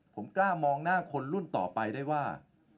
ผมกล้ามองหน้าคนรุ่นต่อไปได้ว่า